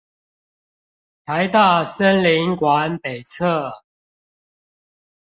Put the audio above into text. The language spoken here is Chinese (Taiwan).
臺大森林館北側